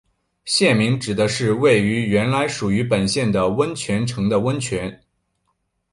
县名指的是位于原来属于本县的温泉城的温泉。